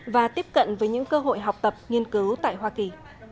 và tiếp cận với những cơ hội học tập nghiên cứu tại hoa kỳ